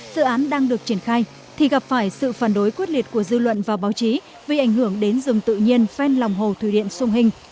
dự án đang được triển khai thì gặp phải sự phản đối quyết liệt của dư luận và báo chí vì ảnh hưởng đến rừng tự nhiên phen lòng hồ thủy điện sông hình